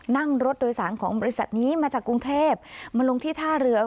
นั่งรถโดยสารของบริษัทนี้มาจากกรุงเทพมาลงที่ท่าเรือ